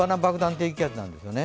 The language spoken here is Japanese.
低気圧なんですよね。